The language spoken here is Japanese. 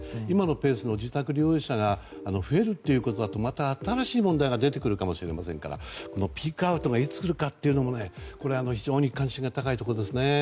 今のペースで自宅療養者が増えるということだとまた新しい問題が出てくるかもしれませんからピークアウトがいつくるかも非常に関心が高いところですね。